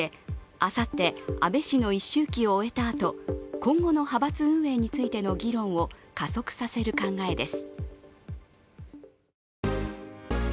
あさって、安倍氏の一周忌を終えたあと、今後の派閥運営に関する議論を加速させる考えです。